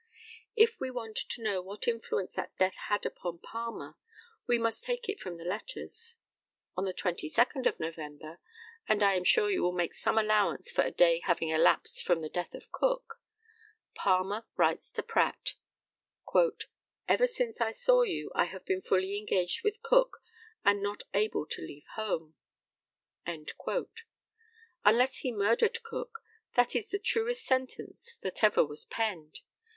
If we want to know what influence that death had upon Palmer, we must take it from the letters. On the 22d of November and I am sure you will make some allowance for a day having elapsed from the death of Cook Palmer writes to Pratt, "Ever since I saw you I have been fully engaged with Cook and not able to leave home." Unless he murdered Cook, that is the truest sentence that ever was penned.